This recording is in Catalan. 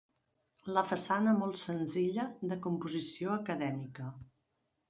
La façana molt senzilla de composició acadèmica.